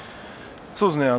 そうですね。